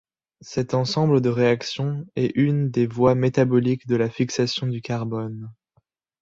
Cet ensemble de réactions est une des voies métaboliques de la fixation du carbone.